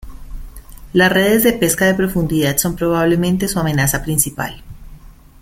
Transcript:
Las redes de pesca de profundidad son probablemente su amenaza principal.